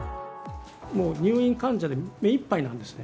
もう入院患者で目いっぱいなんですね。